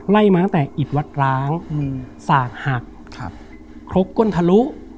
ไล่มาตั้งแต่อิดวัดร้างสากหักครกก้นทะลุ